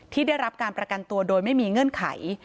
ได้รับการประกันตัวโดยไม่มีเงื่อนไข